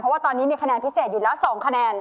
เพราะว่าตอนนี้มีคะแนนพิเศษอยู่แล้ว๒คะแนน